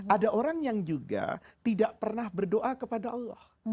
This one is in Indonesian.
ada orang yang juga tidak pernah berdoa kepada allah